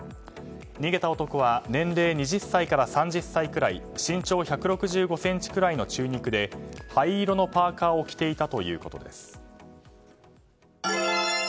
逃げた男は年齢２０歳から３０歳くらい身長１６５ｃｍ位の中肉で灰色のパーカを着ていたということです。